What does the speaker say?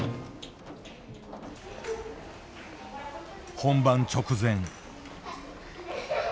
本番直前。